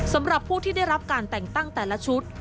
สำหรับผู้ที่ได้รับการแต่งตั้งแต่ชุด